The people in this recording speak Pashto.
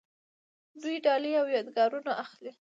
دوی ډالۍ او یادګارونه اخلي.